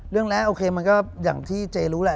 เรื่องแรกโอเคมันก็อย่างที่เจรู้แหละ